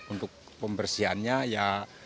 untuk pembersihannya ya